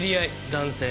男性。